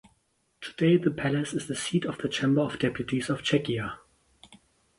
Today the palace is the seat of the Chamber of Deputies of Czechia.